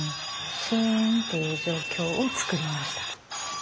シーンっていう状況をつくりました。